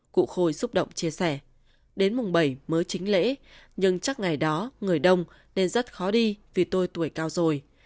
cụ khôi xúc động chia sẻ đến mùng bảy mới chính lễ nhưng chắc ngày đó người đông nên rất khó đi vì tôi tuổi cao rồi